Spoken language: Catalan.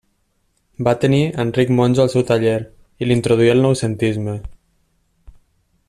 Va tenir Enric Monjo al seu taller, i l'introduí al noucentisme.